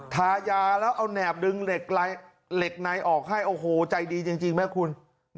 ทายาแล้วเอาแหนบดึงเหล็กในออกให้โอ้โหใจดีจริงไหมคุณ